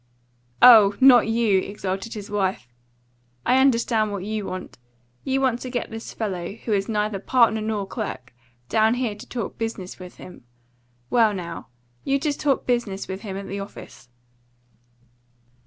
"Oh, not you!" exulted his wife. "I understand what you want. You want to get this fellow, who is neither partner nor clerk, down here to talk business with him. Well, now, you just talk business with him at the office."